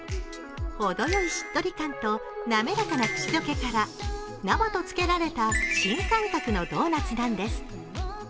程よいしっとり感と滑らかな口どけから「生」とつけられた新感覚のドーナツなんです。